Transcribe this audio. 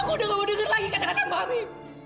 aku sudah tidak mendengar lagi kata kata mami